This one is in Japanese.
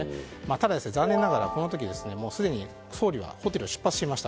ただ、残念ながらこの時すでに総理はホテルを出発していました。